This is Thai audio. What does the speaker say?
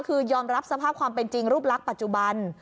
คือยอมรับสภาพความเป็นจริงรูปลักษณ์ปัจจุบัน